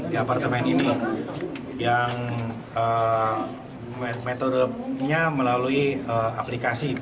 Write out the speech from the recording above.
di apartemen ini yang metodenya melalui aplikasi